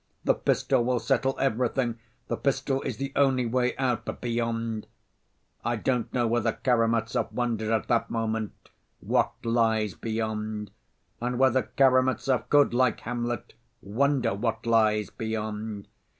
The pistol will settle everything, the pistol is the only way out! But beyond—I don't know whether Karamazov wondered at that moment 'What lies beyond,' and whether Karamazov could, like Hamlet, wonder 'What lies beyond.